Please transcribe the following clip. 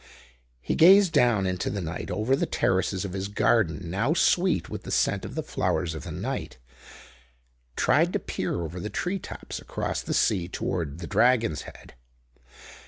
He gazed down into the night over the terraces of his garden, now sweet with the scent of the flowers of the night; tried to peer over the tree tops across the sea towards the Dragon's Head.